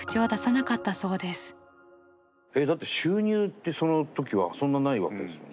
収入ってその時はそんなないわけですよね。